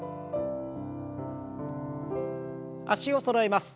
脚をそろえます。